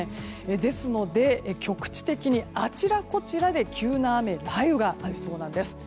ですので、局地的にあちらこちらで急な雨や雷雨がありそうなんです。